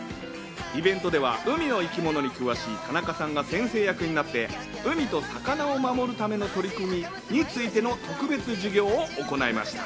イベントでは海の生き物に詳しい田中さんが先生役になって、海と魚を守るための取り組みについての特別授業を行いました。